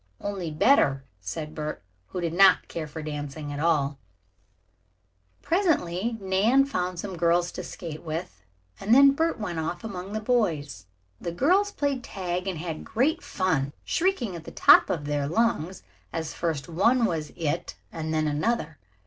"Only better," said Bert, who did not care for dancing at all. Presently Nan found some girls to skate with and then Bert went off among the boys. The girls played tag and had great fun, shrieking at the top of their lungs as first one was "it" and then another.